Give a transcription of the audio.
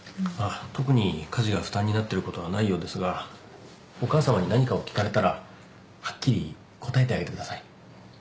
あっ特に家事が負担になってることはないようですがお母さまに何かを聞かれたらはっきり答えてあげてください。